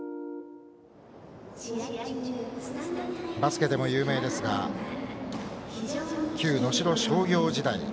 バスケでも有名ですが旧能代商業時代